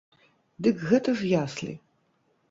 Дык гэта ж яслі!